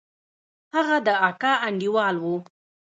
هغه د اکا انډيوال و.